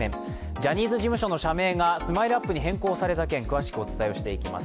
ジャニーズ事務所の社名がＳＭＩＬＥ−ＵＰ．に変更された件、詳しくお伝えします。